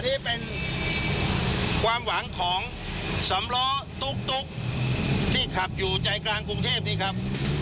อันนี้เป็นความหวังของสำล้อตุ๊กที่ขับอยู่ใจกลางกรุงเทพนี่ครับ